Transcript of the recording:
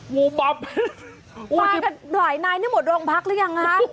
มากระด่ระไอนายเนี่ยหมดรองพักแล้วยังครับ